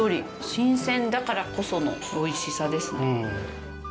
新鮮だからこそのおいしさですね。